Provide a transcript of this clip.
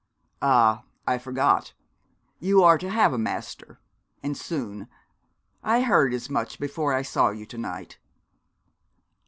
'Ah, I forgot. You are to have a master and soon. I heard as much before I saw you to night.'